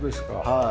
はい。